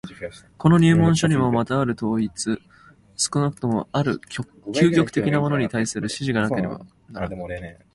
この入門書にもまたある統一、少なくともある究極的なものに対する指示がなければならぬ。